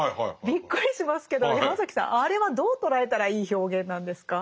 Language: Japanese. びっくりしますけどヤマザキさんあれはどう捉えたらいい表現なんですか？